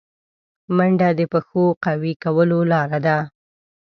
منډه د پښو قوي کولو لاره ده